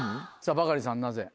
バカリさんなぜ？